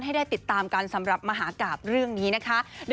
ให้ได้ติดตามกันสำหรับมหากราบเรื่องนี้นะคะ